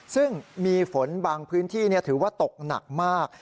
ซึ่งมีฝนบางพื้นที่ถือว่าตกหนักมาก